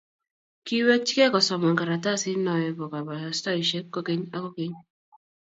Kiwekchi gei kosoman karatasit noe bo kabarastaosiek kukeny ak kukeny